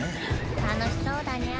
楽しそうだニャ。